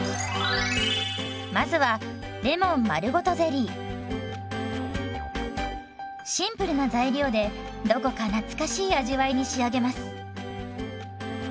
まずはシンプルな材料でどこか懐かしい味わいに仕上げます。